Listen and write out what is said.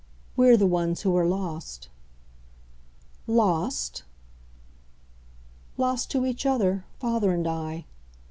"We're the ones who are lost." "Lost ?" "Lost to each other father and I."